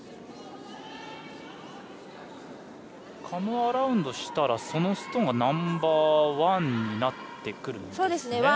カム・アラウンドしたらそのストーンがナンバーワンになってくるんですね。